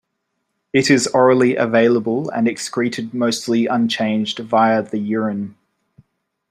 It is orally available and is excreted mostly unchanged via the urine.